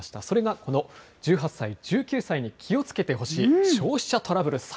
それがこの１８歳、１９歳に気をつけてほしい消費者トラブル